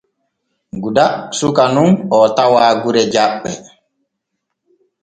Guda suka nun oo tawa gure Jaɓɓe.